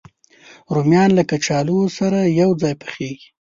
رومیان له کچالو سره یو ځای پخېږي